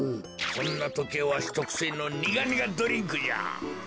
そんなときはわしとくせいのニガニガドリンクじゃ！